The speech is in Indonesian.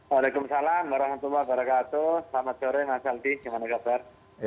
waalaikumsalam warahmatullahi wabarakatuh selamat sore mas aldi gimana kabar